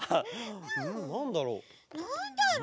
んなんだろう？